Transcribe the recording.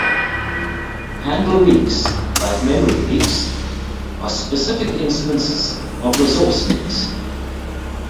Handle leaks, like memory leaks, are specific instances of resource leaks.